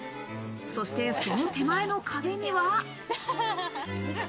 そして、その手前の壁には。